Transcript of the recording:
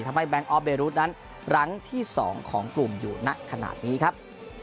ทำให้แบงค์ออร์เบรุ๊ตนั้นรั้งที่สองของกลุ่มอยู่น่ะขนาดนี้ครับ